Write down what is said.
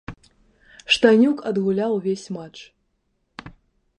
Штанюк адгуляў увесь матч.